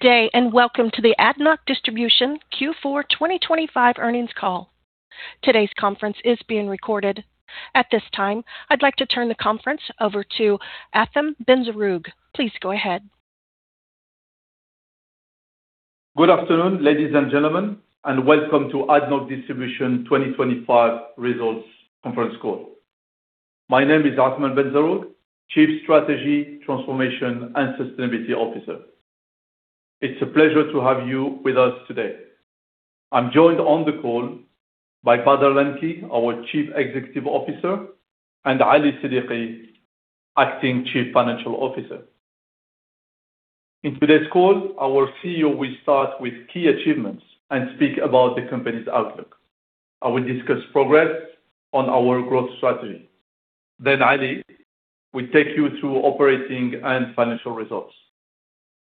Good day, and welcome to the ADNOC Distribution Q4 2025 earnings call. Today's conference is being recorded. At this time, I'd like to turn the conference over to Athmane Benzerroug. Please go ahead. Good afternoon, ladies and gentlemen, and welcome to ADNOC Distribution 2025 results conference call. My name is Athmane Benzerroug, Chief Strategy, Transformation, and Sustainability Officer. It's a pleasure to have you with us today. I'm joined on the call by Bader Al Lamki, our Chief Executive Officer, and Ali Siddiqi, Acting Chief Financial Officer. In today's call, our CEO will start with key achievements and speak about the company's outlook. I will discuss progress on our growth strategy. Then Ali will take you through operating and financial results.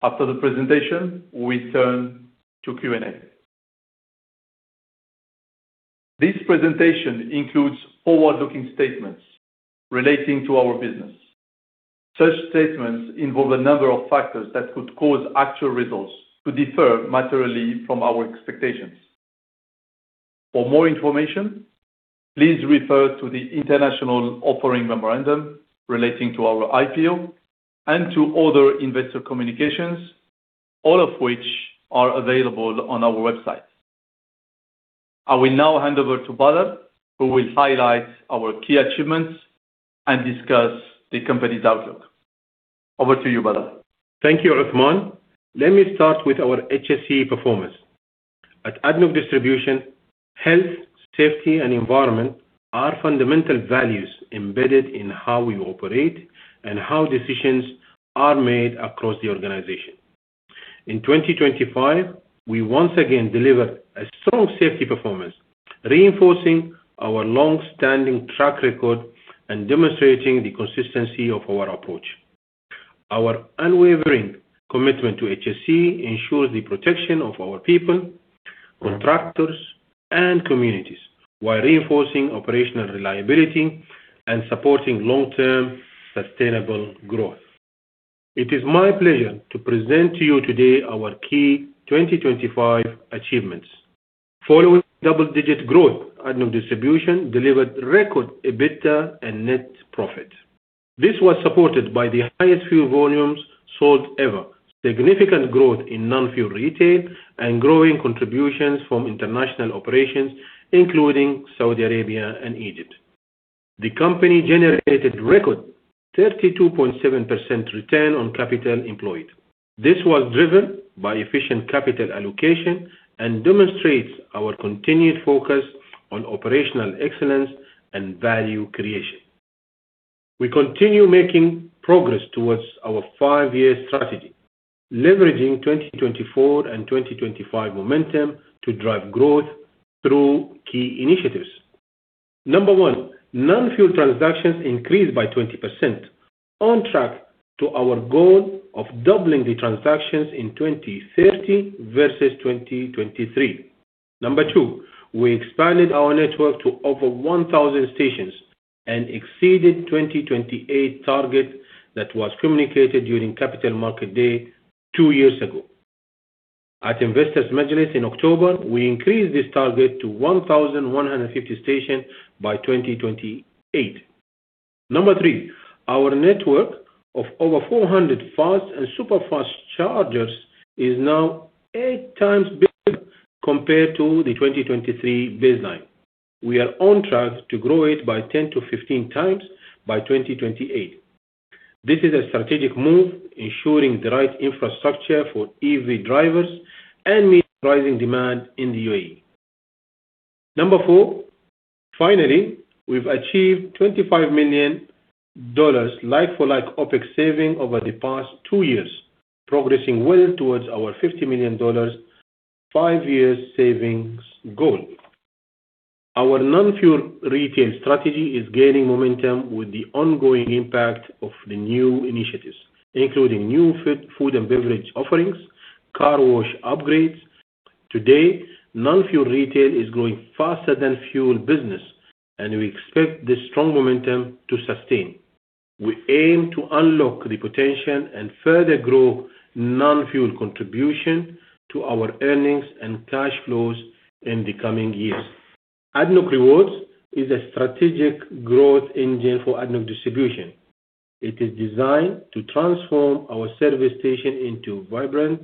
After the presentation, we turn to Q&A. This presentation includes forward-looking statements relating to our business. Such statements involve a number of factors that could cause actual results to differ materially from our expectations. For more information, please refer to the International Offering Memorandum relating to our IPO and to other investor communications, all of which are available on our website. I will now hand over to Bader, who will highlight our key achievements and discuss the company's outlook. Over to you, Bader. Thank you, Athmane. Let me start with our HSE performance. At ADNOC Distribution, health, safety, and environment are fundamental values embedded in how we operate and how decisions are made across the organization. In 2025, we once again delivered a strong safety performance, reinforcing our long-standing track record and demonstrating the consistency of our approach. Our unwavering commitment to HSE ensures the protection of our people, contractors, and communities, while reinforcing operational reliability and supporting long-term sustainable growth. It is my pleasure to present to you today our key 2025 achievements. Following double-digit growth, ADNOC Distribution delivered record EBITDA and net profit. This was supported by the highest fuel volumes sold ever, significant growth in non-fuel retail, and growing contributions from international operations, including Saudi Arabia and Egypt. The company generated record 32.7% return on capital employed. This was driven by efficient capital allocation and demonstrates our continued focus on operational excellence and value creation. We continue making progress towards our five-year strategy, leveraging 2024 and 2025 momentum to drive growth through key initiatives. Number one, non-fuel transactions increased by 20%, on track to our goal of doubling the transactions in 2030 versus 2023. Number two, we expanded our network to over 1,000 stations and exceeded 2028 target that was communicated during Capital Market Day two years ago. At Investor Majlis in October, we increased this target to 1,150 stations by 2028. Number three, our network of over 400 fast and super-fast chargers is now eight times bigger compared to the 2023 baseline. We are on track to grow it by 10-15 times by 2028. This is a strategic move, ensuring the right infrastructure for EV drivers and meet rising demand in the UAE. Number four, finally, we've achieved $25 million like-for-like OpEx saving over the past two years, progressing well towards our $50 million five years savings goal. Our non-fuel retail strategy is gaining momentum with the ongoing impact of the new initiatives, including new food and beverage offerings, car wash upgrades. Today, non-fuel retail is growing faster than fuel business, and we expect this strong momentum to sustain. We aim to unlock the potential and further grow non-fuel contribution to our earnings and cash flows in the coming years. ADNOC Rewards is a strategic growth engine for ADNOC Distribution. It is designed to transform our service station into vibrant,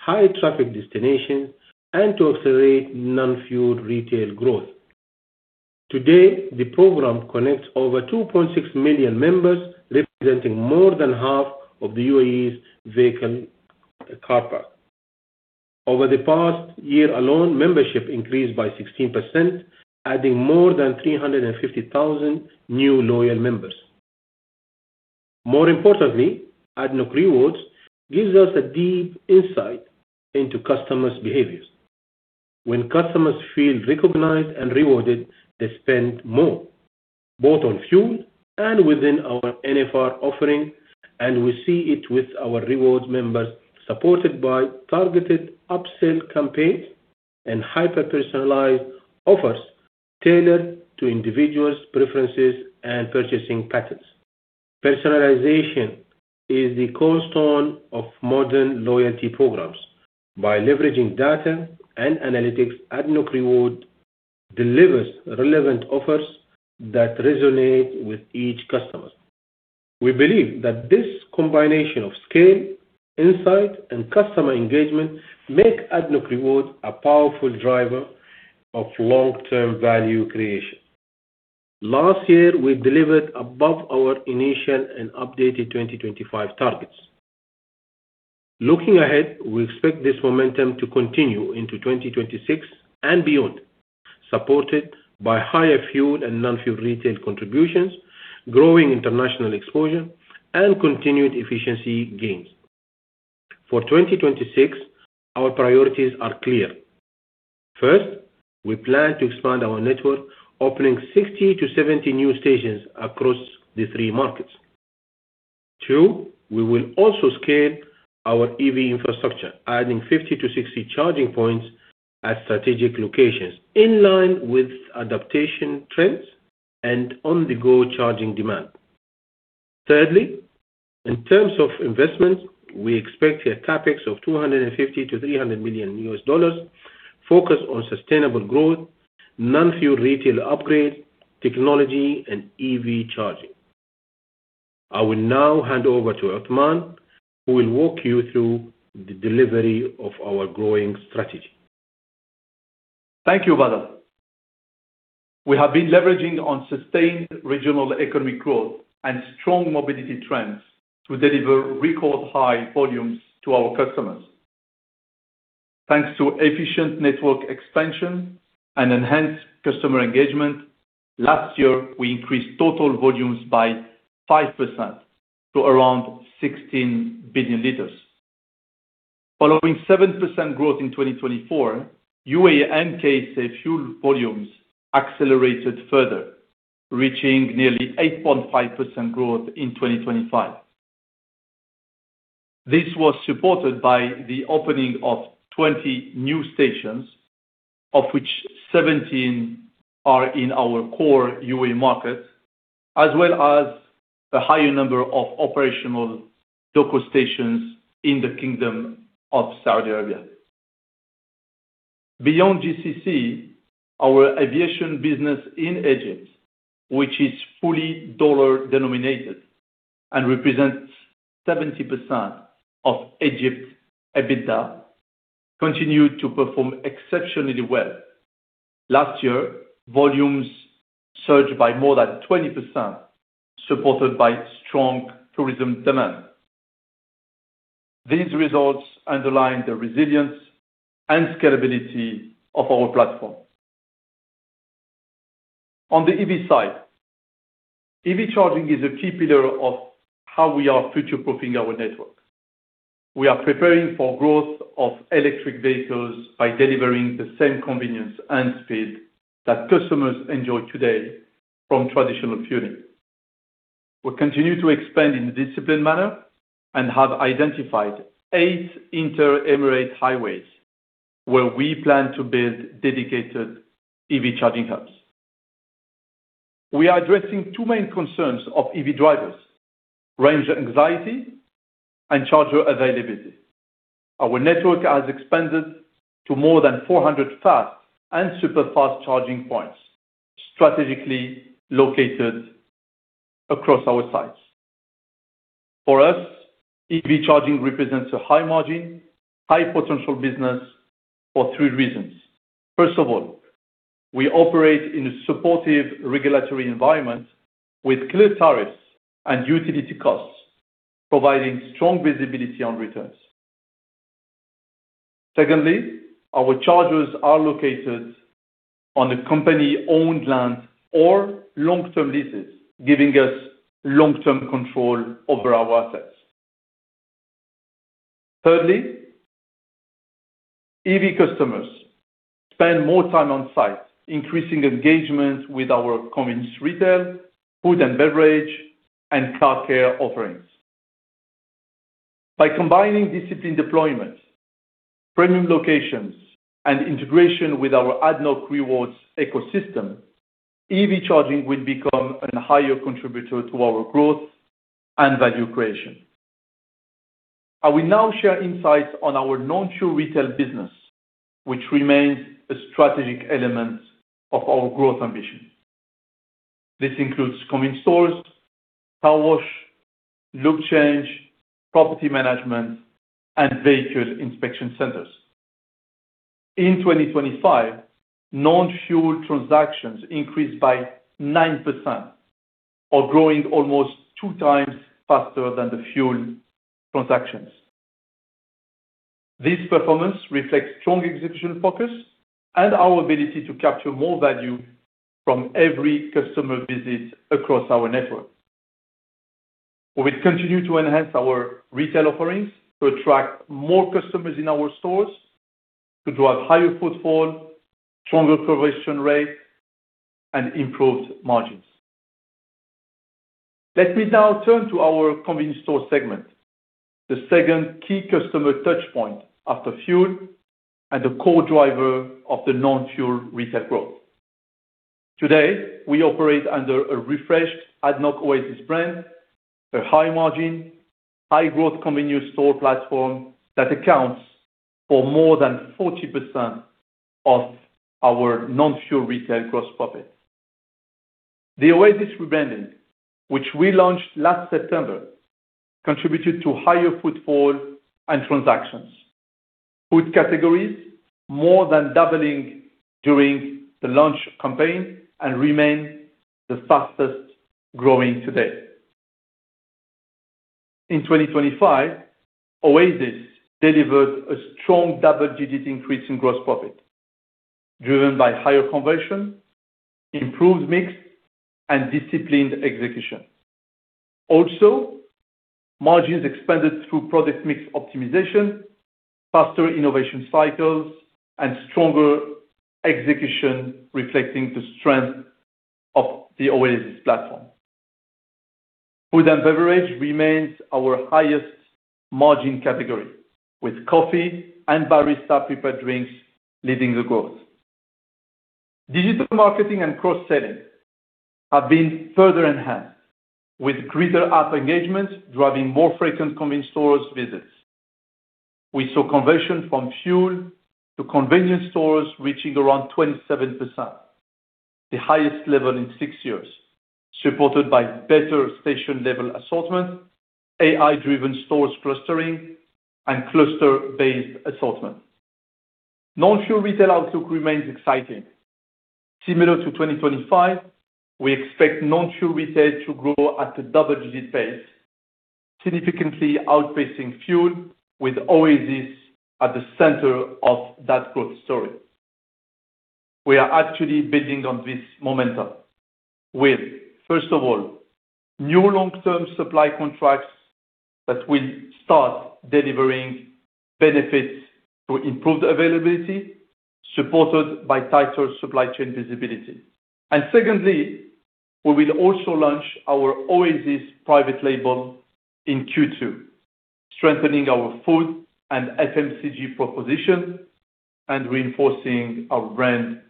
high-traffic destinations and to accelerate non-fuel retail growth. Today, the program connects over 2.6 million members, representing more than half of the UAE's vehicle car parc. Over the past year alone, membership increased by 16%, adding more than 350,000 new loyal members. More importantly, ADNOC Rewards gives us a deep insight into customers' behaviors. When customers feel recognized and rewarded, they spend more, both on fuel and within our NFR offering, and we see it with our rewards members, supported by targeted upsell campaigns and hyper-personalized offers tailored to individuals' preferences and purchasing patterns. Personalization is the cornerstone of modern loyalty programs. By leveraging data and analytics, ADNOC Rewards delivers relevant offers that resonate with each customer. We believe that this combination of scale, insight, and customer engagement make ADNOC Rewards a powerful driver of long-term value creation. Last year, we delivered above our initial and updated 2025 targets. Looking ahead, we expect this momentum to continue into 2026 and beyond, supported by higher fuel and non-fuel retail contributions, growing international exposure, and continued efficiency gains. For 2026, our priorities are clear. First, we plan to expand our network, opening 60-70 new stations across the three markets. Two, we will also scale our EV infrastructure, adding 50-60 charging points at strategic locations, in line with adaptation trends and on-the-go charging demand. Thirdly, in terms of investment, we expect a CapEx of $250 million-$300 million, focused on sustainable growth, non-fuel retail upgrade, technology, and EV charging. I will now hand over to Athmane, who will walk you through the delivery of our growing strategy. Thank you, Bader. We have been leveraging on sustained regional economic growth and strong mobility trends to deliver record-high volumes to our customers. Thanks to efficient network expansion and enhanced customer engagement, last year, we increased total volumes by 5% to around 16 billion liters. Following 7% growth in 2024, UAE and KSA fuel volumes accelerated further, reaching nearly 8.5% growth in 2025. This was supported by the opening of 20 new stations, of which 17 are in our core UAE markets, as well as a higher number of operational DOCO stations in the Kingdom of Saudi Arabia. Beyond GCC, our aviation business in Egypt, which is fully dollar-denominated and represents 70% of Egypt EBITDA, continued to perform exceptionally well. Last year, volumes surged by more than 20%, supported by strong tourism demand. These results underline the resilience and scalability of our platform. On the EV side, EV charging is a key pillar of how we are future-proofing our network. We are preparing for growth of electric vehicles by delivering the same convenience and speed that customers enjoy today from traditional fueling. We continue to expand in a disciplined manner and have identified eight inter-emirate highways, where we plan to build dedicated EV charging hubs. We are addressing two main concerns of EV drivers: range anxiety and charger availability. Our network has expanded to more than 400 fast and super-fast charging points, strategically located across our sites. For us, EV charging represents a high margin, high potential business for three reasons. First of all, we operate in a supportive regulatory environment with clear tariffs and utility costs, providing strong visibility on returns. Secondly, our chargers are located on a company-owned land or long-term leases, giving us long-term control over our assets. Thirdly, EV customers spend more time on site, increasing engagement with our convenience retail, food and beverage, and car care offerings. By combining disciplined deployments, premium locations, and integration with our ADNOC Rewards ecosystem, EV charging will become a higher contributor to our growth and value creation. I will now share insights on our non-fuel retail business, which remains a strategic element of our growth ambition. This includes convenience stores, car wash, lube change, property management, and vehicle inspection centers. In 2025, non-fuel transactions increased by 9% or growing almost two times faster than the fuel transactions. This performance reflects strong execution focus and our ability to capture more value from every customer visit across our network. We will continue to enhance our retail offerings to attract more customers in our stores, to drive higher footfall, stronger conversion rate, and improved margins. Let me now turn to our convenience store segment... the second key customer touchpoint after fuel and a core driver of the non-fuel retail growth. Today, we operate under a refreshed ADNOC Oasis brand, a high margin, high growth convenience store platform that accounts for more than 40% of our non-fuel retail gross profit. The Oasis rebranding, which we launched last September, contributed to higher footfall and transactions. Food categories more than doubling during the launch campaign and remain the fastest growing today. In 2025, Oasis delivered a strong double-digit increase in gross profit, driven by higher conversion, improved mix, and disciplined execution. Also, margins expanded through product mix optimization, faster innovation cycles, and stronger execution, reflecting the strength of the Oasis platform. Food and beverage remains our highest margin category, with coffee and barista-prepared drinks leading the growth. Digital marketing and cross-selling have been further enhanced, with greater app engagement driving more frequent convenience stores visits. We saw conversion from fuel to convenience stores reaching around 27%, the highest level in six years, supported by better station level assortment, AI-driven stores clustering, and cluster-based assortment. Non-fuel retail outlook remains exciting. Similar to 2025, we expect non-fuel retail to grow at a double-digit pace, significantly outpacing fuel, with Oasis at the center of that growth story. We are actually building on this momentum with, first of all, new long-term supply contracts that will start delivering benefits to improve the availability, supported by tighter supply chain visibility. And secondly, we will also launch our Oasis private label in Q2, strengthening our food and FMCG proposition and reinforcing our brand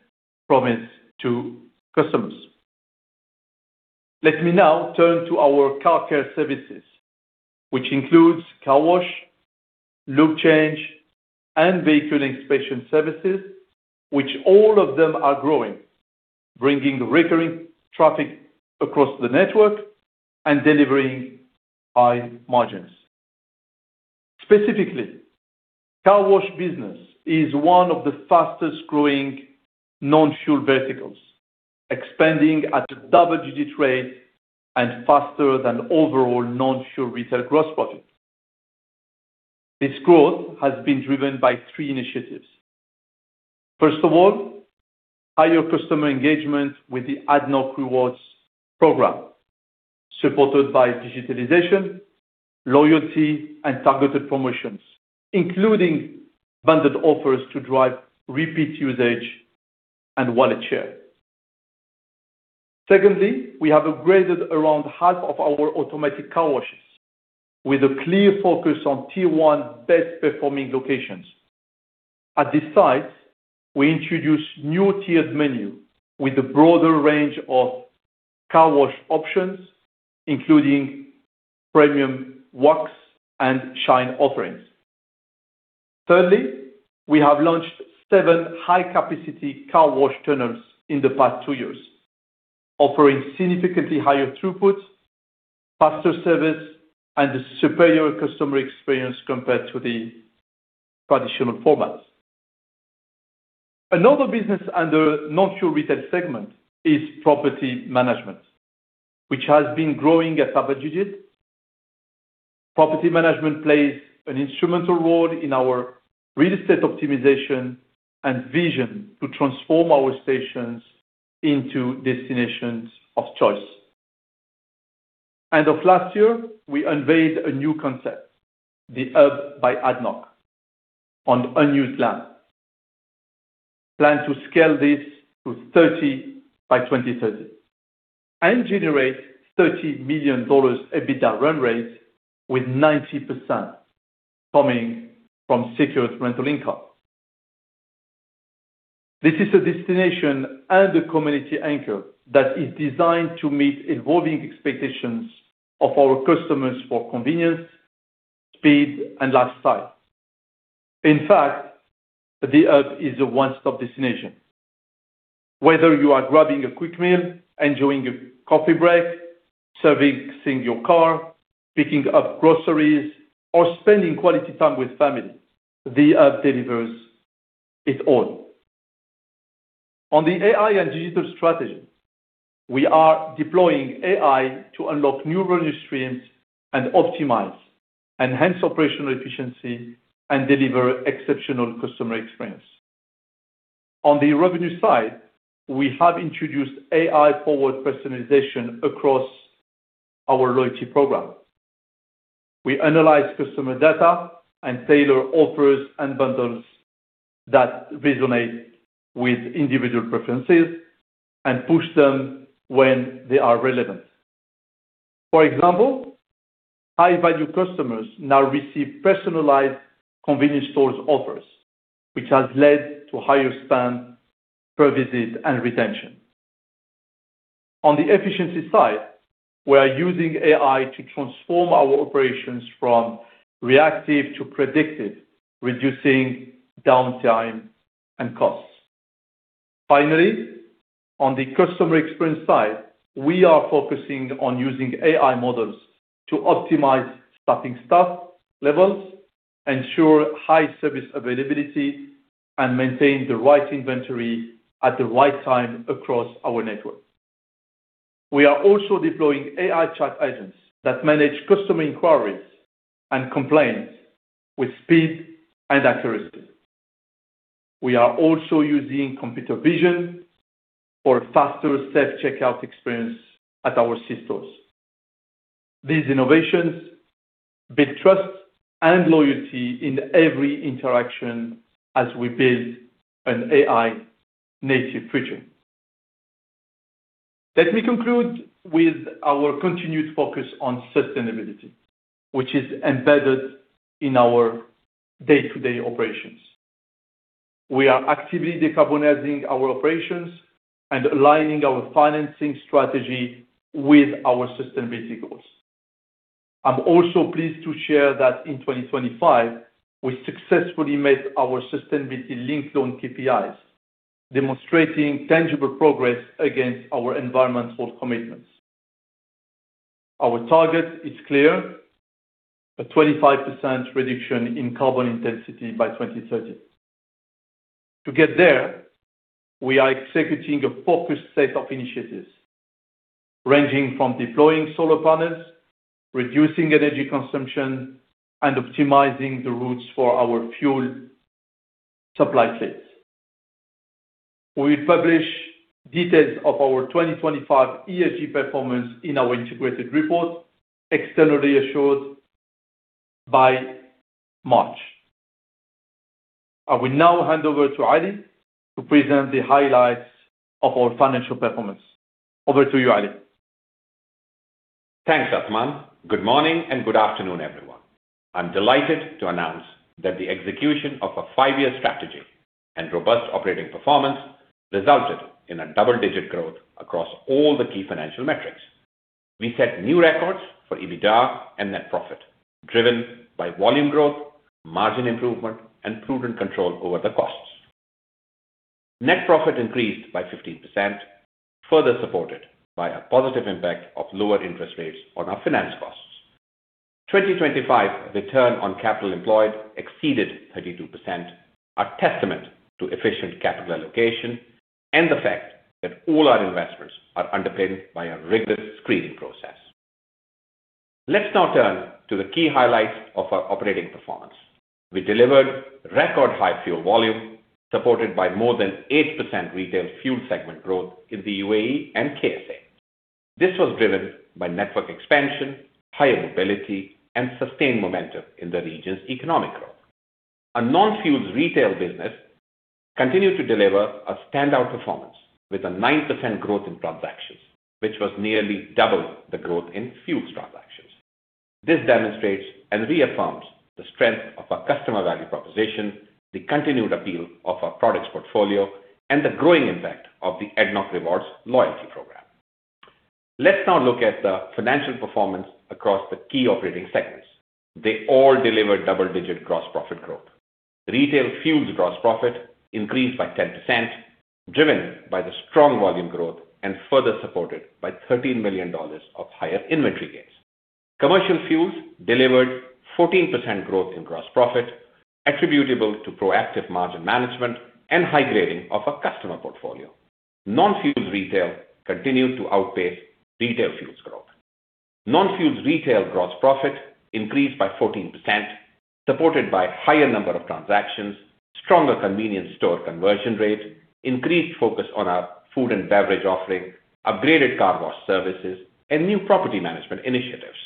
promise to customers. Let me now turn to our car care services, which includes car wash, lube change, and vehicle inspection services, which all of them are growing, bringing recurring traffic across the network and delivering high margins. Specifically, car wash business is one of the fastest growing non-fuel verticals, expanding at a double-digit rate and faster than overall non-fuel retail gross profit. This growth has been driven by three initiatives. First of all, higher customer engagement with the ADNOC Rewards program, supported by digitalization, loyalty, and targeted promotions, including bundled offers to drive repeat usage and wallet share. Secondly, we have upgraded around half of our automatic car washes with a clear focus on Tier 1 best-performing locations. At this site, we introduce new tiered menu with a broader range of car wash options, including premium wax and shine offerings. Thirdly, we have launched seven high-capacity car wash tunnels in the past two years, offering significantly higher throughput, faster service, and a superior customer experience compared to the traditional formats. Another business under non-fuel retail segment is property management, which has been growing at double-digit. Property management plays an instrumental role in our real estate optimization and vision to transform our stations into destinations of choice. End of last year, we unveiled a new concept, The Hub by ADNOC, on unused land. Plan to scale this to 30 by 2030 and generate $30 million EBITDA run rate, with 90% coming from secured rental income. This is a destination and a community anchor that is designed to meet evolving expectations of our customers for convenience, speed, and lifestyle. In fact, The Hub is a one-stop destination. Whether you are grabbing a quick meal, enjoying a coffee break, servicing your car, picking up groceries, or spending quality time with family, The Hub delivers it all. On the AI and digital strategy, we are deploying AI to unlock new revenue streams and optimize, enhance operational efficiency, and deliver exceptional customer experience. On the revenue side, we have introduced AI-forward personalization across our loyalty program. We analyze customer data and tailor offers and bundles that resonate with individual preferences and push them when they are relevant. For example, high-value customers now receive personalized convenience stores offers, which has led to higher spend per visit and retention. On the efficiency side, we are using AI to transform our operations from reactive to predictive, reducing downtime and costs. Finally, on the customer experience side, we are focusing on using AI models to optimize staffing staff levels, ensure high service availability, and maintain the right inventory at the right time across our network. We are also deploying AI chat agents that manage customer inquiries and complaints with speed and accuracy. We are also using computer vision for faster self-checkout experience at our C stores. These innovations build trust and loyalty in every interaction as we build an AI-native future. Let me conclude with our continued focus on sustainability, which is embedded in our day-to-day operations. We are actively decarbonizing our operations and aligning our financing strategy with our sustainability goals. I'm also pleased to share that in 2025, we successfully met our sustainability linked loan KPIs, demonstrating tangible progress against our environmental commitments. Our target is clear, a 25% reduction in carbon intensity by 2030. To get there, we are executing a focused set of initiatives, ranging from deploying solar panels, reducing energy consumption, and optimizing the routes for our fuel supply chains. We'll publish details of our 2025 ESG performance in our integrated report, externally assured by March. I will now hand over to Ali to present the highlights of our financial performance. Over to you, Ali. Thanks, Athmane. Good morning, and good afternoon, everyone. I'm delighted to announce that the execution of a five-year strategy and robust operating performance resulted in a double-digit growth across all the key financial metrics. We set new records for EBITDA and net profit, driven by volume growth, margin improvement, and prudent control over the costs. Net profit increased by 15%, further supported by a positive impact of lower interest rates on our finance costs. 2025 return on capital employed exceeded 32%, a testament to efficient capital allocation, and the fact that all our investments are underpinned by a rigorous screening process. Let's now turn to the key highlights of our operating performance. We delivered record high fuel volume, supported by more than 8% retail fuel segment growth in the UAE and KSA. This was driven by network expansion, higher mobility, and sustained momentum in the region's economic growth. Our non-fuels retail business continued to deliver a standout performance with a 9% growth in transactions, which was nearly double the growth in fuels transactions. This demonstrates and reaffirms the strength of our customer value proposition, the continued appeal of our products portfolio, and the growing impact of the ADNOC Rewards loyalty program. Let's now look at the financial performance across the key operating segments. They all delivered double-digit gross profit growth. Retail fuels gross profit increased by 10%, driven by the strong volume growth and further supported by $13 million of higher inventory gains. Commercial fuels delivered 14% growth in gross profit, attributable to proactive margin management and high grading of our customer portfolio. Non-fuels retail continued to outpace retail fuels growth. Non-fuels retail gross profit increased by 14%, supported by higher number of transactions, stronger convenience store conversion rates, increased focus on our food and beverage offering, upgraded car wash services, and new property management initiatives.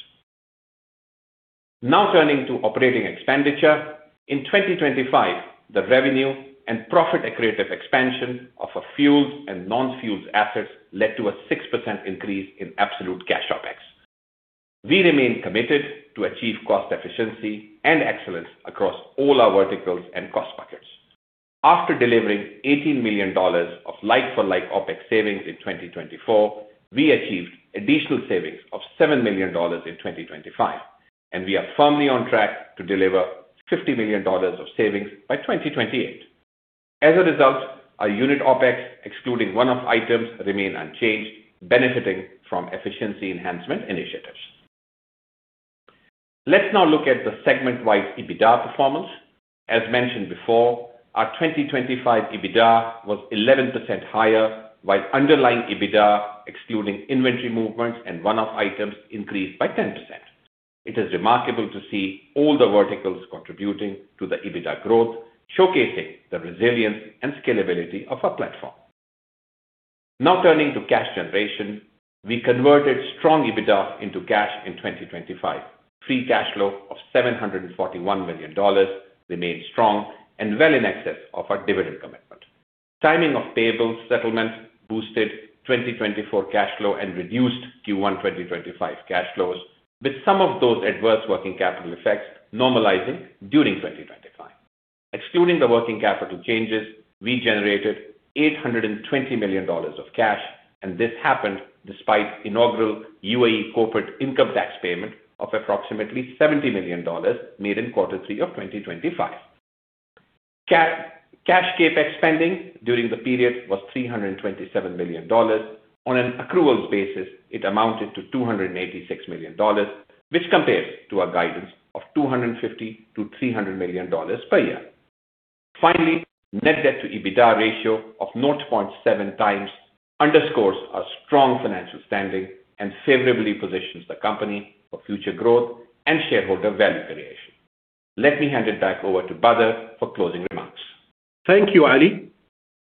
Now, turning to operating expenditure. In 2025, the revenue and profit accretive expansion of our fuels and non-fuels assets led to a 6% increase in absolute cash OpEx. We remain committed to achieve cost efficiency and excellence across all our verticals and cost buckets. After delivering $18 million of like-for-like OpEx savings in 2024, we achieved additional savings of $7 million in 2025, and we are firmly on track to deliver $50 million of savings by 2028. As a result, our unit OpEx, excluding one-off items, remain unchanged, benefiting from efficiency enhancement initiatives. Let's now look at the segment-wide EBITDA performance. As mentioned before, our 2025 EBITDA was 11% higher, while underlying EBITDA, excluding inventory movements and one-off items, increased by 10%. It is remarkable to see all the verticals contributing to the EBITDA growth, showcasing the resilience and scalability of our platform. Now turning to cash generation. We converted strong EBITDA into cash in 2025. Free cash flow of $741 million remained strong and well in excess of our dividend commitment. Timing of payable settlement boosted 2024 cash flow and reduced Q1 2025 cash flows, with some of those adverse working capital effects normalizing during 2025. Excluding the working capital changes, we generated $820 million of cash, and this happened despite inaugural UAE corporate income tax payment of approximately $70 million made in Q3 of 2025. Cash CapEx spending during the period was $327 million. On an accruals basis, it amounted to $286 million, which compares to our guidance of $250 million-$300 million per year. Finally, net debt to EBITDA ratio of 0.7x underscores our strong financial standing and favorably positions the company for future growth and shareholder value creation. Let me hand it back over to Bader for closing remarks. Thank you, Ali.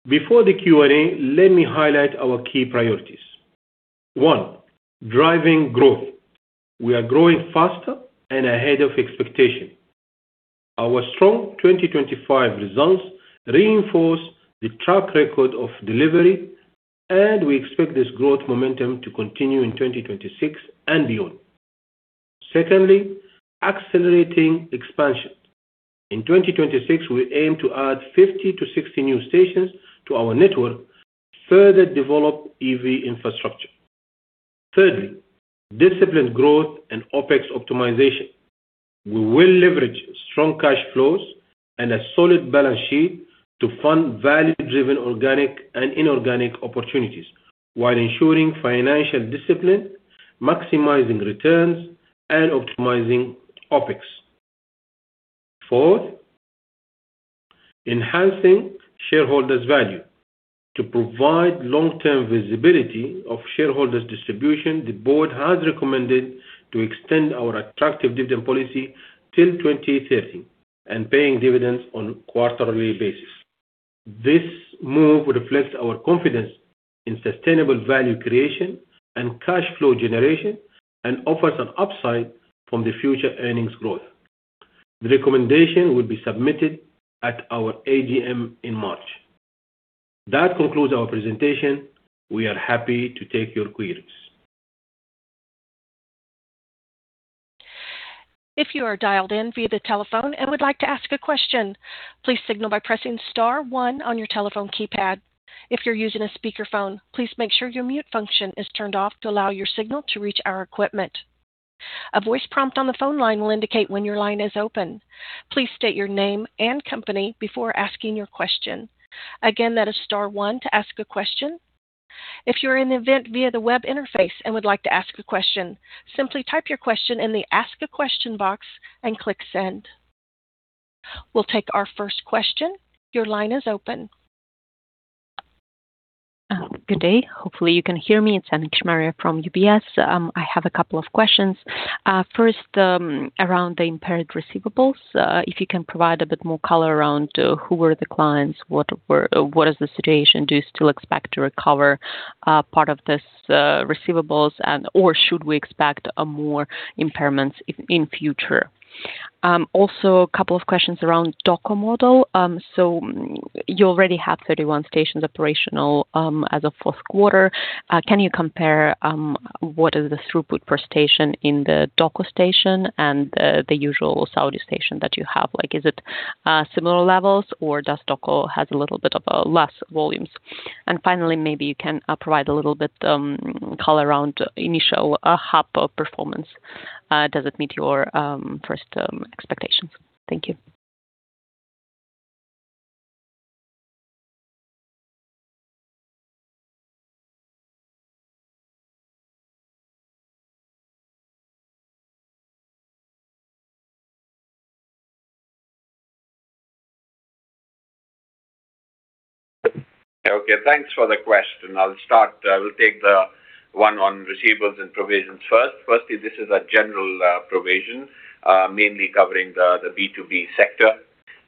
Before the Q&A, let me highlight our key priorities. One, driving growth. We are growing faster and ahead of expectation. Our strong 2025 results reinforce the track record of delivery, and we expect this growth momentum to continue in 2026 and beyond. Secondly, accelerating expansion. In 2026, we aim to add 50-60 new stations to our network, further develop EV infrastructure. Thirdly, disciplined growth and OpEx optimization. We will leverage strong cash flows and a solid balance sheet to fund value-driven organic and inorganic opportunities while ensuring financial discipline, maximizing returns, and optimizing OpEx. Fourth, enhancing shareholders' value. To provide long-term visibility of shareholders' distribution, the board has recommended to extend our attractive dividend policy till 2030, and paying dividends on a quarterly basis. This move reflects our confidence in sustainable value creation and cash flow generation, and offers an upside from the future earnings growth. The recommendation will be submitted at our AGM in March. That concludes our presentation. We are happy to take your queries. If you are dialed in via the telephone and would like to ask a question, please signal by pressing star one on your telephone keypad. If you're using a speakerphone, please make sure your mute function is turned off to allow your signal to reach our equipment. A voice prompt on the phone line will indicate when your line is open. Please state your name and company before asking your question. Again, that is star one to ask a question. If you're in the event via the web interface and would like to ask a question, simply type your question in the Ask a Question box and click Send. We'll take our first question. Your line is open. Good day. Hopefully, you can hear me. It's Anna Kishmariya from UBS. I have a couple of questions. First, around the impaired receivables, if you can provide a bit more color around who were the clients, what is the situation? Do you still expect to recover part of this receivables, and or should we expect more impairments in future? Also a couple of questions around DOCO model. So you already have 31 stations operational as of fourth quarter. Can you compare what is the throughput per station in the DOCO station and the usual Saudi station that you have? Like, is it similar levels, or does DOCO has a little bit of less volumes? And finally, maybe you can provide a little bit color around initial hub performance. Does it meet your first expectations? Thank you. Okay, thanks for the question. I'll start. I will take the one on receivables and provisions first. Firstly, this is a general provision mainly covering the B2B sector.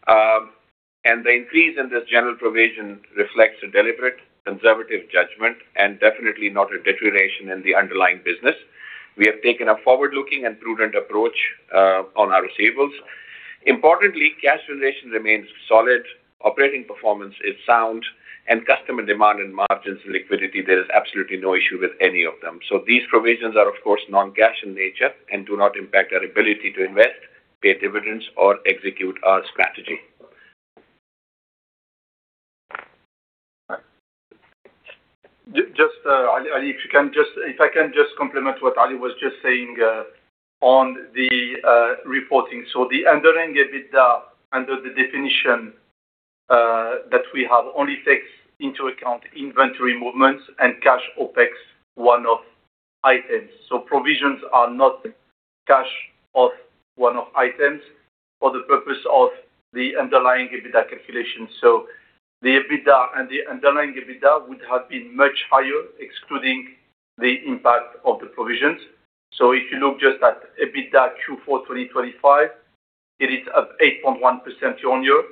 The increase in this general provision reflects a deliberate conservative judgment and definitely not a deterioration in the underlying business. We have taken a forward-looking and prudent approach on our receivables. Importantly, cash generation remains solid, operating performance is sound, and customer demand and margins and liquidity, there is absolutely no issue with any of them. So these provisions are, of course, non-cash in nature and do not impact our ability to invest, pay dividends, or execute our strategy. Just, Ali, if you can just, if I can just complement what Ali was just saying, on the reporting. So the underlying EBITDA under the definition that we have only takes into account inventory movements and cash OpEx, one-off items. So provisions are not cash of one-off items for the purpose of the underlying EBITDA calculation. So the EBITDA and the underlying EBITDA would have been much higher, excluding the impact of the provisions. So if you look just at EBITDA Q4 2025. It is up 8.1% year-on-year.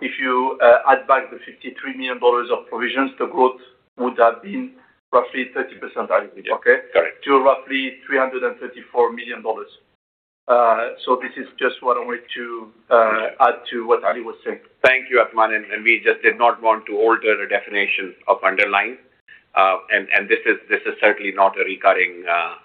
If you add back the $53 million of provisions, the growth would have been roughly 30%, okay? Correct. To roughly $334 million. So this is just what I want to add to what Ali was saying. Thank you, Athmane. And we just did not want to alter the definition of underlying and this is certainly not a recurring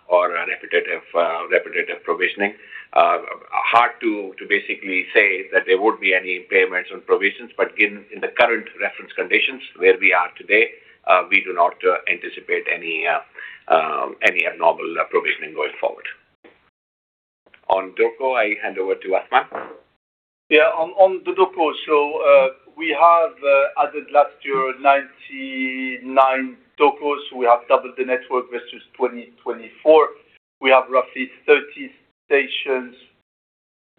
or a repetitive provisioning. Hard to basically say that there won't be any payments on provisions, but given in the current reference conditions where we are today, we do not anticipate any abnormal provisioning going forward. On DOCO, I hand over to Athmane. Yeah, on the DOCO. So, we have added last year 99 DOCOs. We have doubled the network versus 2024. We have roughly 30 stations,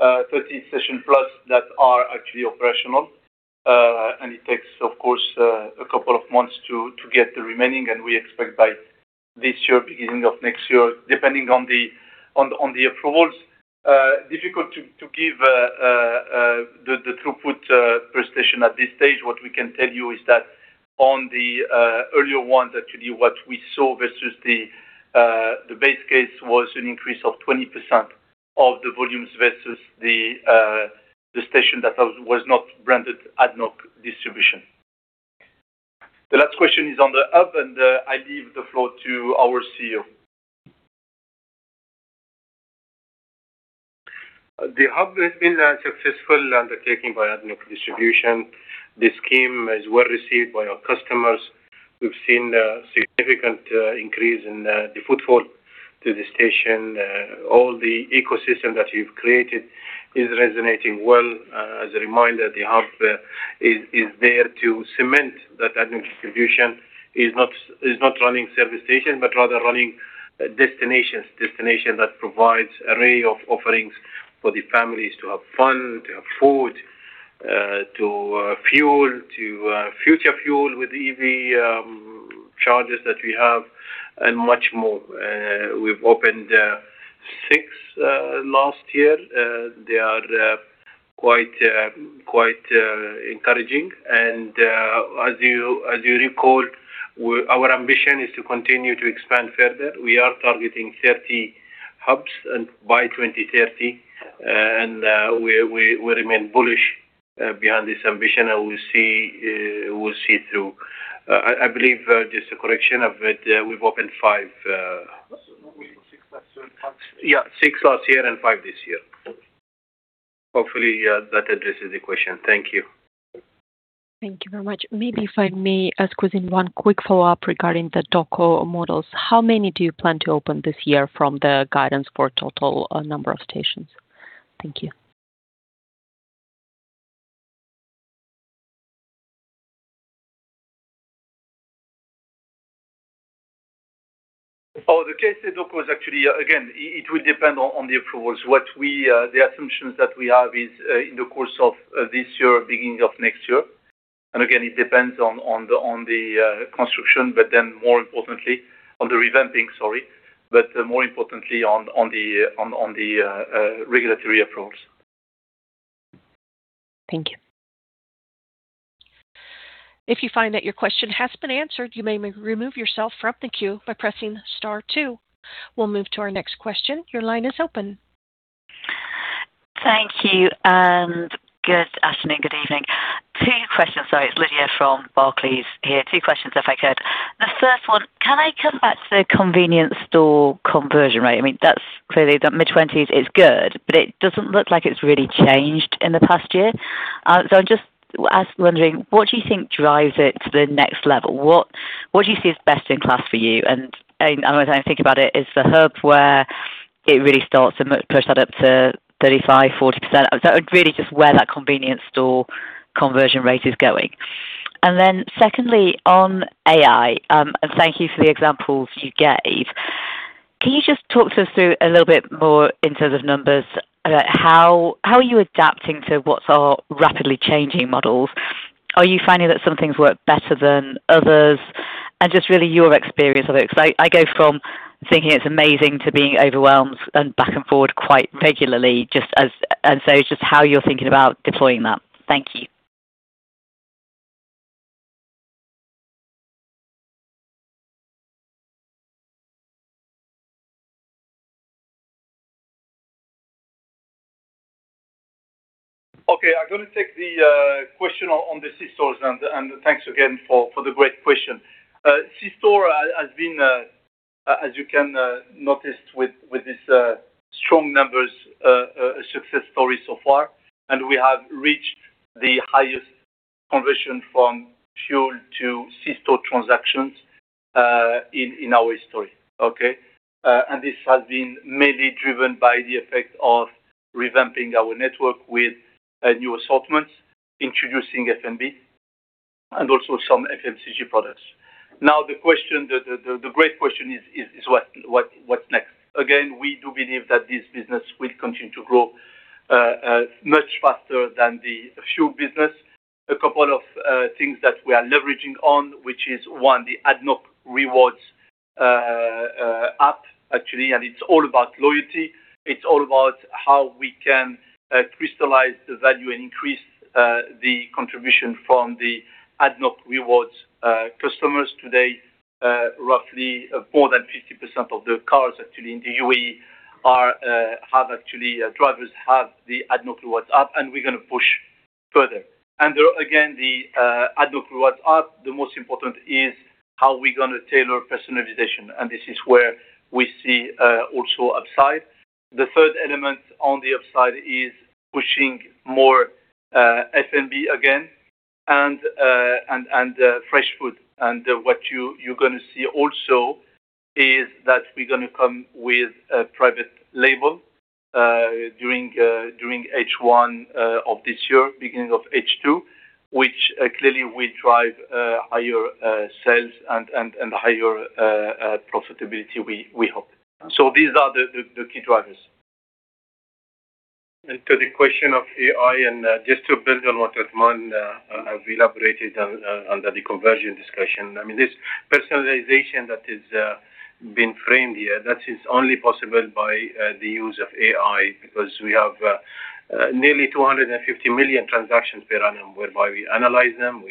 30+ stations that are actually operational. And it takes, of course, a couple of months to get the remaining, and we expect by this year, beginning of next year, depending on the approvals. Difficult to give the throughput per station at this stage. What we can tell you is that on the earlier one, actually, what we saw versus the base case was an increase of 20% of the volumes versus the station that was not branded ADNOC Distribution. The last question is on the hub, and I leave the floor to our CEO. The hub has been a successful undertaking by ADNOC Distribution. The scheme is well received by our customers. We've seen a significant increase in the footfall to the station. All the ecosystem that we've created is resonating well. As a reminder, the hub is there to cement that ADNOC Distribution is not running service station, but rather running destinations. Destination that provides array of offerings for the families to have fun, to have food, to fuel, to future fuel with EV charges that we have and much more. We've opened six last year. They are quite encouraging. As you recall, our ambition is to continue to expand further. We are targeting 30 hubs and by 2030, and we remain bullish behind this ambition, and we see, we'll see through. I believe, just a correction of it, we've opened five. Six last year. Yeah, six last year and five this year. Hopefully, that addresses the question. Thank you. Thank you very much. Maybe if I may ask, one quick follow-up regarding the DOCO models. How many do you plan to open this year from the guidance for total number of stations? Thank you. Oh, the case with DOCO is actually, again, it will depend on the approvals. What we, the assumptions that we have is, in the course of this year, beginning of next year, and again, it depends on the construction, but then more importantly, on the revamping, sorry, but more importantly, on the regulatory approvals. Thank you. If you find that your question has been answered, you may remove yourself from the queue by pressing star two. We'll move to our next question. Your line is open. Thank you, and good afternoon, good evening. Two questions. Sorry, it's Lydia from Barclays here. Two questions, if I could. The first one, can I come back to the convenience store conversion rate? I mean, that's clearly the mid-20s is good, but it doesn't look like it's really changed in the past year. So I'm just wondering, what do you think drives it to the next level? What do you see as best in class for you? And, and when I think about it, is the hub where it really starts to push that up to 35%-40%. So really, just where that convenience store conversion rate is going. And then secondly, on AI, and thank you for the examples you gave. Can you just talk to us through a little bit more in terms of numbers about how, how are you adapting to what are rapidly changing models? Are you finding that some things work better than others? And just really your experience of it, because I, I go from thinking it's amazing to being overwhelmed and back and forward quite regularly, just as, as so, just how you're thinking about deploying that. Thank you. Okay, I'm going to take the question on the C stores, and thanks again for the great question. C store has been, as you can notice with this strong numbers, success story so far, and we have reached the highest conversion from fuel to C store transactions in our history. Okay? And this has been mainly driven by the effect of revamping our network with new assortments, introducing F&B and also some FMCG products. Now, the great question is, what's next? Again, we do believe that this business will continue to grow much faster than the fuel business. A couple of things that we are leveraging on, which is one, the ADNOC Rewards app, actually, and it's all about loyalty. It's all about how we can crystallize the value and increase the contribution from the ADNOC Rewards customers. Today, roughly more than 50% of the cars actually in the UAE, actually drivers have the ADNOC Rewards app, and we're gonna push further. And again, the ADNOC Rewards app, the most important is how we're gonna tailor personalization, and this is where we see also upside. The third element on the upside is pushing more FMCG again and fresh food. What you're gonna see also is that we're gonna come with a private label during H1 of this year, beginning of H2, which clearly will drive higher profitability, we hope. So these are the key drivers. To the question of AI, just to build on what Athmane have elaborated on, under the conversion discussion. I mean, this personalization that is being framed here, that is only possible by the use of AI, because we have nearly 250 million transactions per annum, whereby we analyze them,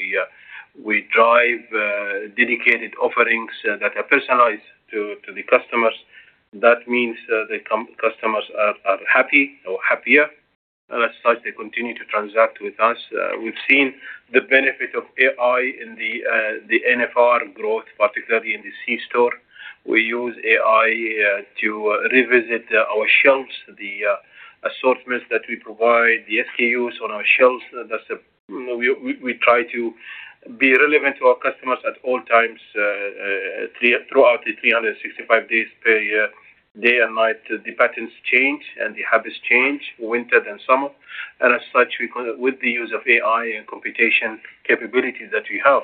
we drive dedicated offerings that are personalized to the customers. That means, the customers are happy or happier, and as such, they continue to transact with us. We've seen the benefit of AI in the NFR growth, particularly in the C store. We use AI to revisit our shelves, the assortments that we provide, the SKUs on our shelves. We try to be relevant to our customers at all times, throughout the 365 days per year, day and night. The patterns change, and the habits change, winter to summer, and as such, with the use of AI and computation capabilities that we have,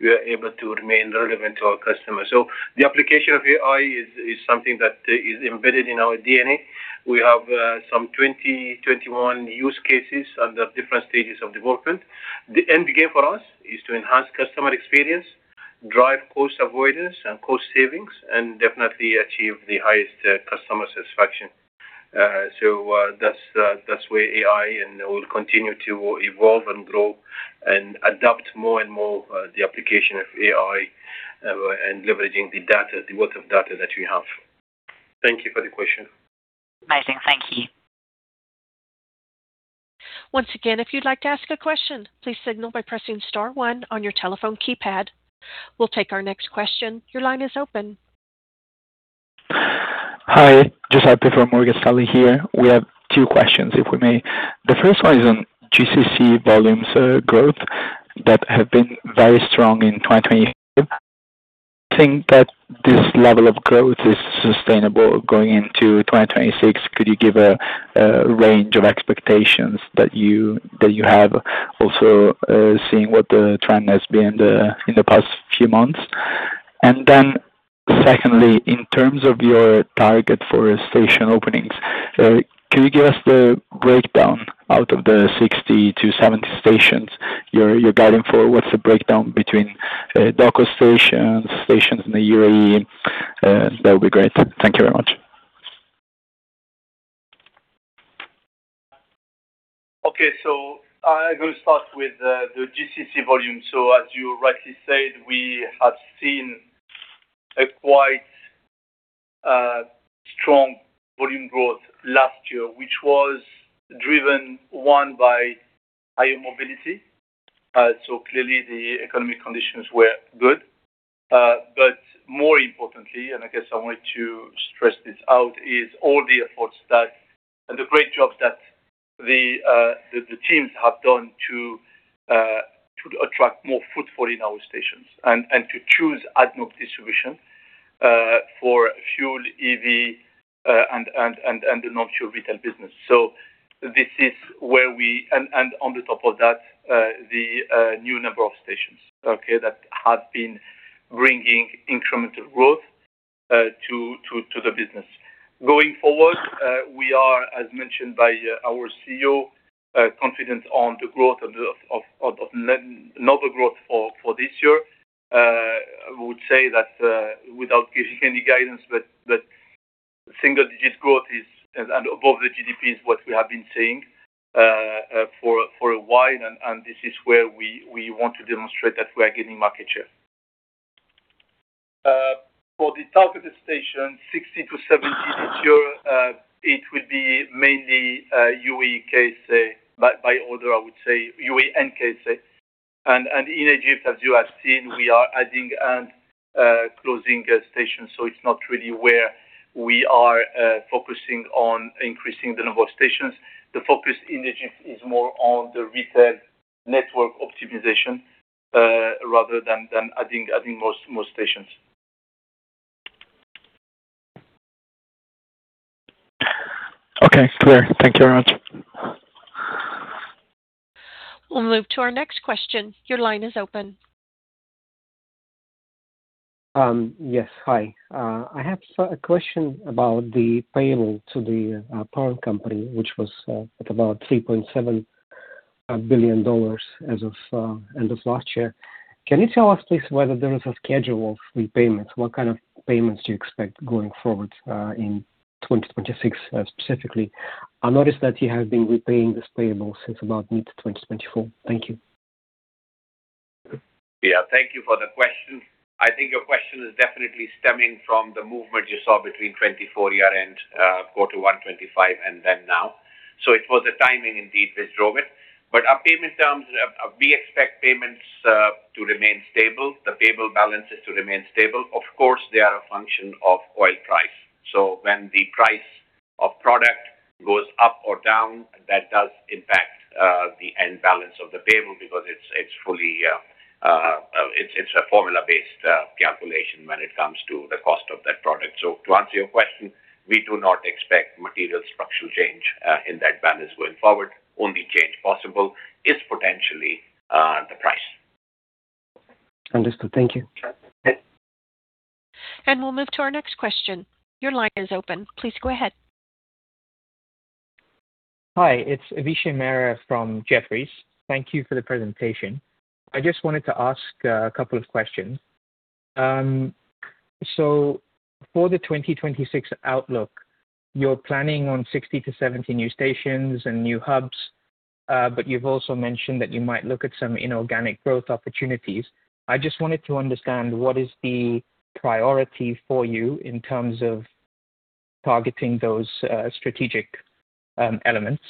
we are able to remain relevant to our customers. So the application of AI is something that is embedded in our DNA. We have some 21 use cases under different stages of development. The end game for us is to enhance customer experience, drive cost avoidance and cost savings, and definitely achieve the highest customer satisfaction. So, that's where AI, and we'll continue to evolve and grow and adopt more and more, the application of AI, and leveraging the data, the wealth of data that we have. Thank you for the question. Amazing. Thank you. Once again, if you'd like to ask a question, please signal by pressing star one on your telephone keypad. We'll take our next question. Your line is open. Hi, Giuseppe from Morgan Stanley here. We have two questions, if we may. The first one is on GCC volumes, growth that have been very strong in 2020. Think that this level of growth is sustainable going into 2026, could you give a, a range of expectations that you, that you have also, seeing what the trend has been the in the past few months? And then secondly, in terms of your target for station openings, can you give us the breakdown out of the 60-70 stations you're guiding for? What's the breakdown between, DOCO stations, stations in the UAE? That would be great. Thank you very much. Okay. So I will start with the GCC volume. So as you rightly said, we have seen a quite strong volume growth last year, which was driven, one, by higher mobility. So clearly the economic conditions were good. But more importantly, and I guess I want to stress this out, is all the efforts that, and the great job that the teams have done to attract more footfall in our stations and to choose ADNOC Distribution for fuel, EV, and the non-fuel retail business. So this is where we... And on the top of that, the new number of stations, okay, that have been bringing incremental growth to the business. Going forward, we are, as mentioned by our CEO, confident on the growth of the of another growth for this year. I would say that, without giving any guidance, but that single digits growth is, and above the GDP, is what we have been seeing, for a while, and this is where we want to demonstrate that we are gaining market share. For the targeted station, 60-70 this year, it will be mainly UAE, KSA, by order, I would say UAE and KSA. In Egypt, as you have seen, we are adding and closing stations, so it's not really where we are focusing on increasing the number of stations. The focus in Egypt is more on the retail network optimization, rather than adding more stations. Okay, clear. Thank you very much. We'll move to our next question. Your line is open. Yes, hi. I have a question about the payable to the parent company, which was, at about $3.7 billion as of, end of last year. Can you tell us, please, whether there is a schedule of repayments? What kind of payments do you expect going forward, in 2026, specifically? I noticed that you have been repaying this payable since about mid-2024. Thank you. Yeah. Thank you for the question. I think your question is definitely stemming from the movement you saw between 2024 year-end, Q1 2025 and then now. So it was the timing indeed, which drove it. But our payment terms, we expect payments to remain stable, the payable balances to remain stable. Of course, they are a function of oil price. So when the price of product goes up or down, that does impact the end balance of the payable because it's, it's fully, it's, it's a formula-based calculation when it comes to the cost of that product. So to answer your question, we do not expect material structural change in that balance going forward. Only change possible is potentially the price. Understood. Thank you. Okay. We'll move to our next question. Your line is open. Please go ahead. Hi, it's Avishay Mehra from Jefferies. Thank you for the presentation. I just wanted to ask a couple of questions. So for the 2026 outlook, you're planning on 60-70 new stations and new hubs, but you've also mentioned that you might look at some inorganic growth opportunities. I just wanted to understand what is the priority for you in terms of targeting those strategic elements?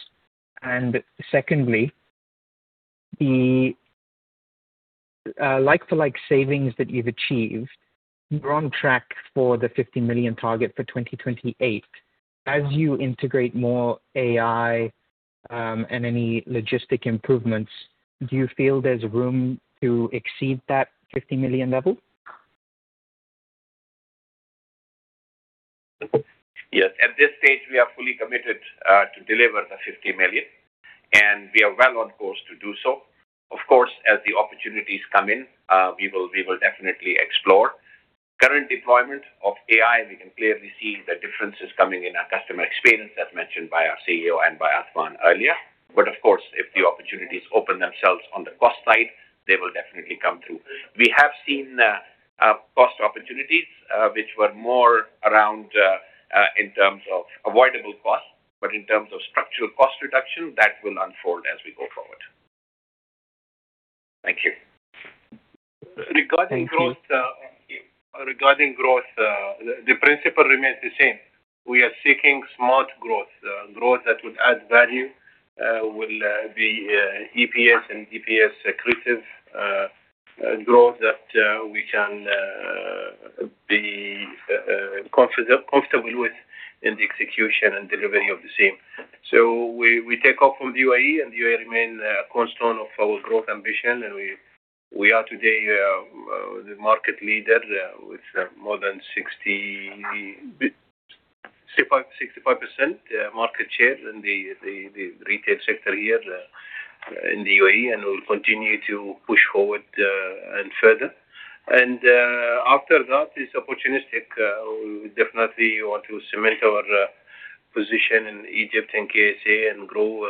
And secondly, the like-for-like savings that you've achieved, you're on track for the $50 million target for 2028. As you integrate more AI and any logistic improvements, do you feel there's room to exceed that $50 million level? Yes. At this stage, we are fully committed to deliver the $50 million, and we are well on course to do so. Of course, as the opportunities come in, we will, we will definitely explore. Current deployment of AI, we can clearly see the differences coming in our customer experience, as mentioned by our CEO and by Athmane earlier. But of course, if the opportunities open themselves on the cost side, they will definitely come through. We have seen cost opportunities, which were more around in terms of avoidable costs, but in terms of structural cost reduction, that will unfold as we go forward. Thank you. Regarding growth, Thank you. Regarding growth, the principle remains the same. We are seeking smart growth, growth that would add value, will be EPS and DPS accretive, growth that we can be comfortable with in the execution and delivery of the same. So we take off from the UAE, and the UAE remain cornerstone of our growth ambition, and we are today the market leader with more than 65% market share in the retail sector here in the UAE, and we'll continue to push forward and further. After that, it's opportunistic, we definitely want to cement our position in Egypt and KSA and grow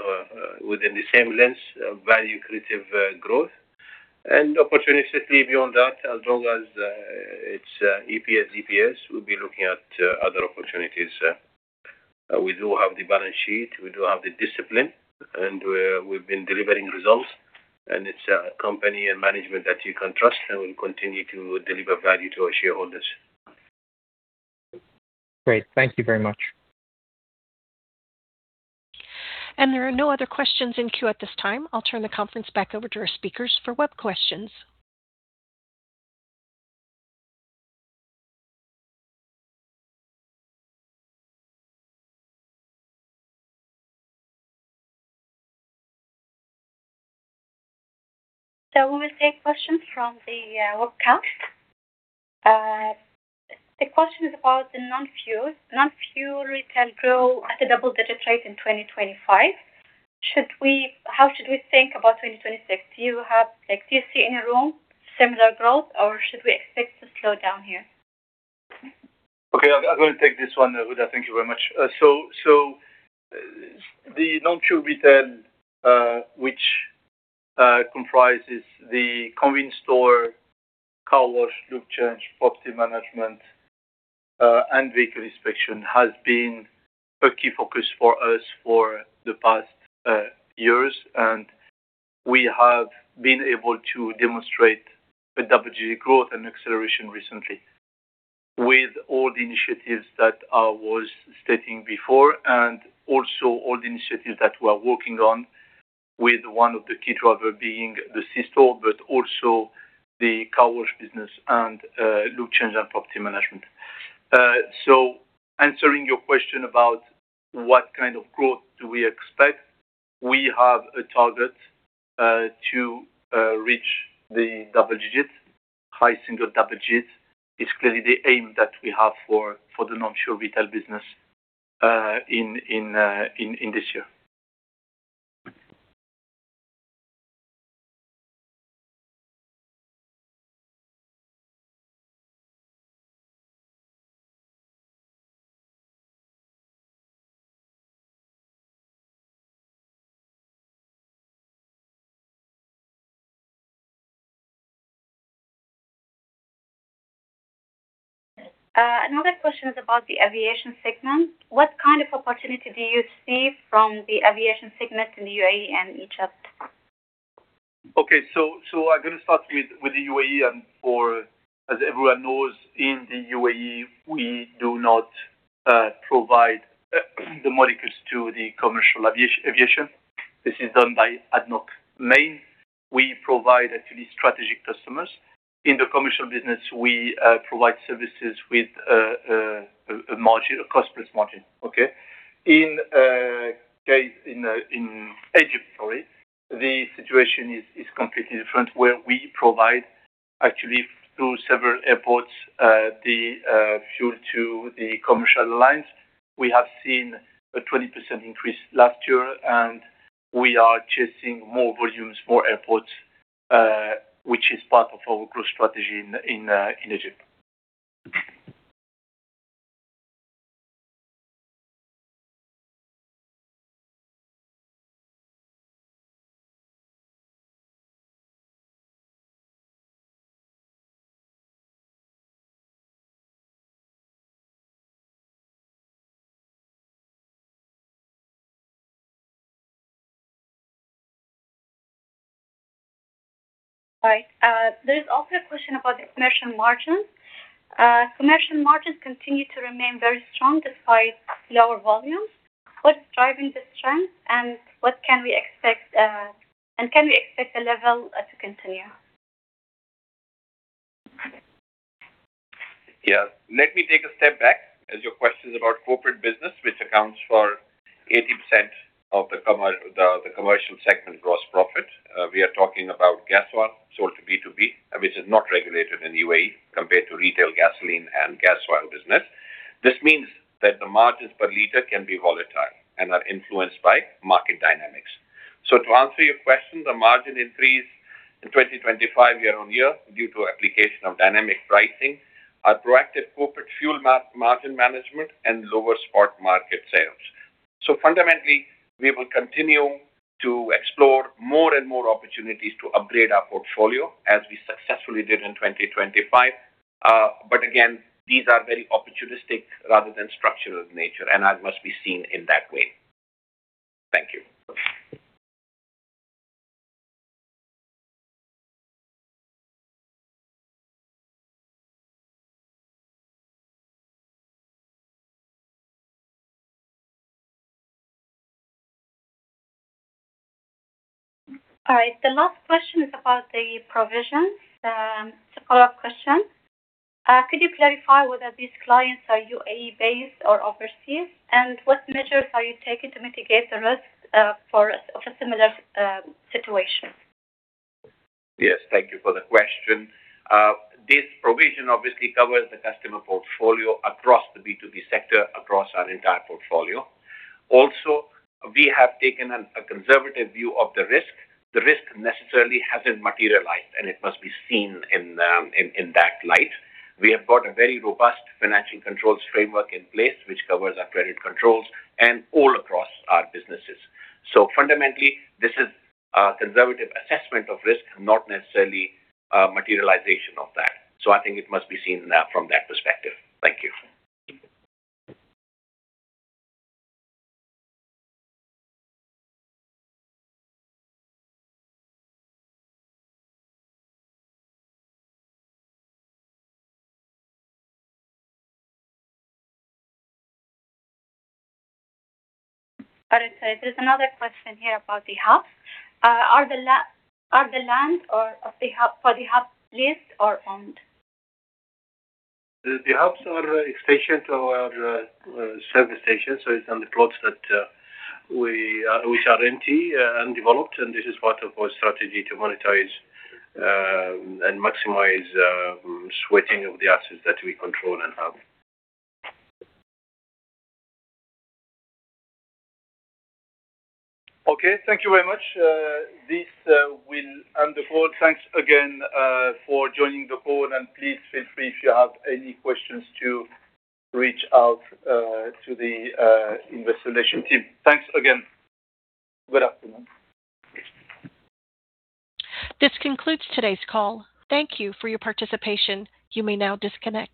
within the same lens, value accretive growth. And opportunistically beyond that, as long as it's EPS, DPS, we'll be looking at other opportunities. We do have the balance sheet, we do have the discipline, and we've been delivering results, and it's a company and management that you can trust, and we'll continue to deliver value to our shareholders. Great. Thank you very much. There are no other questions in queue at this time. I'll turn the conference back over to our speakers for web questions. We will take questions from the webcast. The question is about the non-fuel. Non-fuel retail grow at a double-digit rate in 2025. How should we think about 2026? Do you have, like, do you see any room, similar growth, or should we expect to slow down here? Okay, I'm going to take this one, Huda. Thank you very much. So, the non-fuel retail, which comprises the convenience store, car wash, lube change, property management, and vehicle inspection, has been a key focus for us for the past years. We have been able to demonstrate a double-digit growth and acceleration recently with all the initiatives that I was stating before and also all the initiatives that we are working on with one of the key driver being the C store, but also the car wash business and lube change and property management. So answering your question about what kind of growth do we expect, we have a target to reach the double digits. High single, double digits is clearly the aim that we have for the non-fuel retail business in this year. Another question is about the aviation segment. What kind of opportunity do you see from the aviation segment in the UAE and Egypt? Okay. So I'm going to start with the UAE, and for, as everyone knows, in the UAE, we do not provide the molecules to the commercial aviation. This is done by ADNOC Main. We provide actually strategic customers. In the commercial business, we provide services with a margin, a cost-plus margin. Okay? In case in Egypt, sorry, the situation is completely different, where we provide actually through several airports the fuel to the commercial airlines. We have seen a 20% increase last year, and we are chasing more volumes, more airports, which is part of our growth strategy in Egypt. Right. There's also a question about the commercial margins. Commercial margins continue to remain very strong despite lower volumes. What's driving this trend, and what can we expect, and can we expect the level to continue? Yeah. Let me take a step back, as your question is about corporate business, which accounts for 80% of the commercial segment gross profit. We are talking about gas oil sold to B2B, which is not regulated in UAE, compared to retail gasoline and gas oil business. This means that the margins per liter can be volatile and are influenced by market dynamics. So to answer your question, the margin increased in 2025 year-on-year, due to application of dynamic pricing, our proactive corporate fuel margin management, and lower spot market sales. So fundamentally, we will continue to explore more and more opportunities to upgrade our portfolio as we successfully did in 2025. But again, these are very opportunistic rather than structural in nature, and that must be seen in that way. Thank you. All right. The last question is about the provisions. It's a follow-up question. Could you clarify whether these clients are UAE-based or overseas? And what measures are you taking to mitigate the risk of a similar situation? Yes. Thank you for the question. This provision obviously covers the customer portfolio across the B2B sector, across our entire portfolio. Also, we have taken a conservative view of the risk. The risk necessarily hasn't materialized, and it must be seen in that light. We have got a very robust financial controls framework in place, which covers our credit controls and all across our businesses. So fundamentally, this is a conservative assessment of risk, not necessarily a materialization of that. So I think it must be seen in that from that perspective. Thank you. All right, sir. There's another question here about the hub. Are the land for the hub leased or owned? The hubs are stationed to our service station, so it's on the plots that we which are empty and developed, and this is part of our strategy to monetize and maximize sweating of the assets that we control and have. Okay, thank you very much. This will end the call. Thanks again for joining the call, and please feel free, if you have any questions, to reach out to the investor relations team. Thanks again. Good afternoon. This concludes today's call. Thank you for your participation. You may now disconnect.